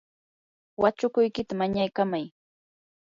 wachukuykita mañaykamay.